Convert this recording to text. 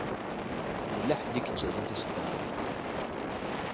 Yella ḥedd i yettalin tiseddaṛin.